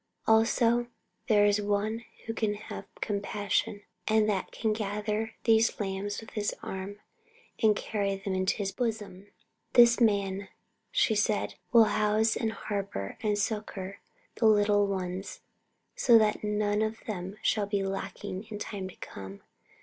Also there is One here who can have compassion and that can gather these lambs with His arm and carry them in His bosom. This Man, she said, will house and harbour and succour the little ones, so that none of them shall be lacking in time to come.